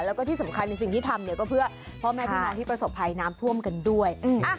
แล้วก็ที่สำคัญสิ่งที่ทำเนี่ยก็เพื่อพ่อแม่พี่น้องที่ประสบภัยน้ำท่วมกันด้วย